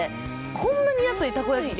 こんなに安いたこ焼き器